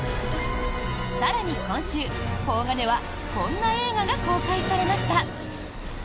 更に今週、邦画ではこんな映画が公開されました。